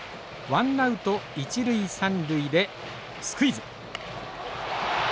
ワンナウト一塁三塁でスクイズ。